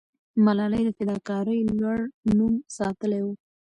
ملالۍ د فداکارۍ لوړ نوم ساتلې وو.